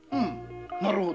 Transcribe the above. なるほど。